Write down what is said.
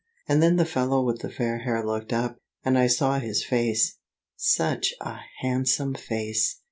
And then the fellow with the fair hair looked up, and I saw his face such a handsome face!